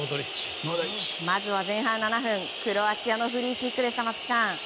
まずは前半７分クロアチアのフリーキックでした松木さん。